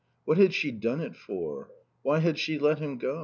What had she done it for? Why had she let him go?